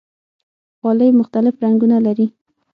غالۍ مختلف رنګونه لري.